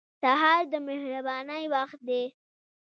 سهار د مهربانۍ وخت دی.